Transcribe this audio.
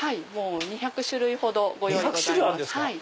２００種類ほどご用意ございます。